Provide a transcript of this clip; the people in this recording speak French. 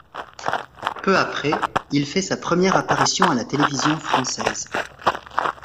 Peu après, il fait sa première apparition à la télévision française.